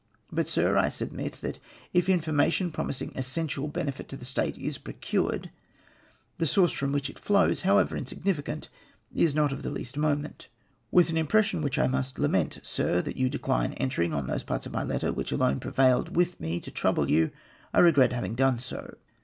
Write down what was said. But, Sir, I submit that if informa tion promising essential benefit to the State is procured, the source from which it flows, however insignificant, is not of the least moment. " With an impression which I must lament. Sir, that you decline entering on those parts of my letter which alone prevailed with me to trouble you, I regret having done so.